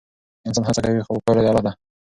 انسان هڅه کوي خو پایله د الله ده.